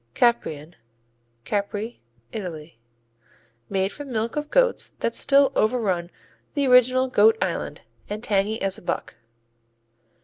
Caprian Capri, Italy Made from milk of goats that still overrun the original Goat Island, and tangy as a buck.